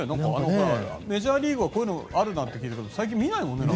メジャーリーグはこういうのあるって聞いてたけど最近あんまり見ないもんね。